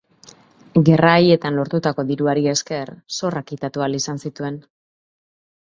Gerra haietan lortutako diruari esker, zorrak kitatu ahal zituen.